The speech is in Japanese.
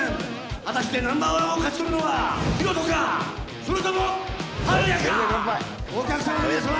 果たしてナンバーワンを勝ち取るのはヒロトかそれともハルヤか乾杯お客様の皆様